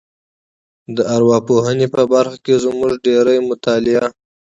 د ارواپوهنې په برخه کې زموږ ډېری مطالعه